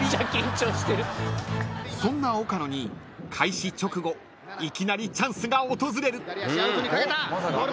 ［そんな岡野に開始直後いきなりチャンスが訪れる］